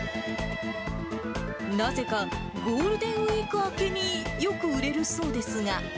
なぜか、ゴールデンウィーク明けによく売れるそうですが。